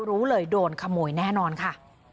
รู้เลยโดนขโมยแน่นอนค่ะ